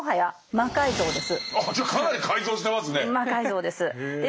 魔改造です。